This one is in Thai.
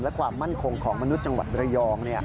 และความมั่นคงของมนุษย์จังหวัดระยอง